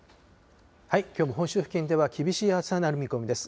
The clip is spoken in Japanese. きょうも本州付近では、厳しい暑さになる見込みです。